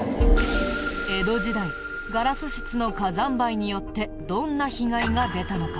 江戸時代ガラス質の火山灰によってどんな被害が出たのか？